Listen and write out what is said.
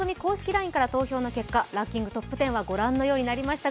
ＬＩＮＥからの投票の結果、トップ１０はご覧のようになりました。